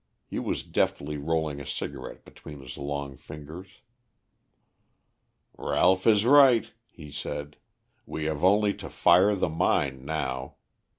He was deftly rolling a cigarette between his long fingers. "Ralph is right," he said. "We have only to fire the mine now.